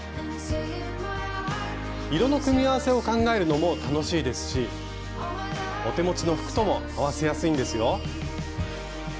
色の組み合わせを考えるのも楽しいですしお手持ちの服とも合わせやすいんですよ。